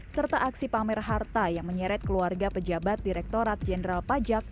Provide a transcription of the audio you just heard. serta aksi pamer harta yang menyeret keluarga pejabat direktorat jenderal pajak